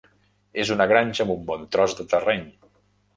És una granja amb un bon tros de terreny.